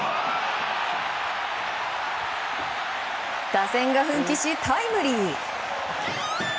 打線が奮起し、タイムリー！